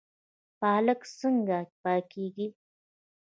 پالک څنګه پاکیږي؟